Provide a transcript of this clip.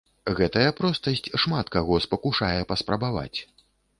Гэтая простасць шмат каго спакушае паспрабаваць.